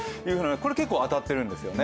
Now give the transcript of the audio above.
これは結構当たってるんですよね。